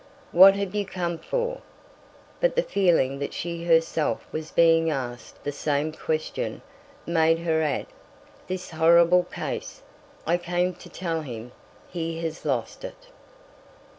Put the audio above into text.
"What have you come for?" But the feeling that she herself was being asked the same question, made her add: "This horrible case. I came to tell him—he has lost it."